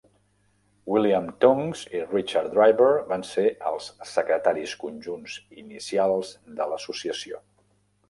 William Tunks i Richard Driver van ser els secretaris conjunts inicials de l'associació.